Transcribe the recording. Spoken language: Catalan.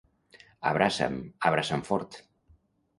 Abraça'm, abraça'm fort.